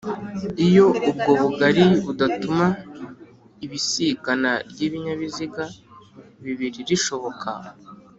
Iyo ubwo bugari budatuma ibisikana ry'ibinyabiziga bibiri rishoboka